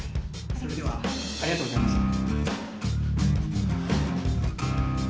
それではありがとうございました